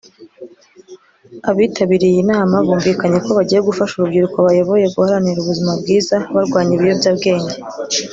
Abitabiriye iyi nama bumvikanye ko bagiye gufasha urubyiruko bayoboye guharanira ubuzima bwiza barwanya ibiyobyabwenge